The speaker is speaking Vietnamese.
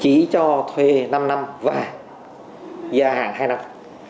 chí cho thuê năm năm và gia hàng hai năm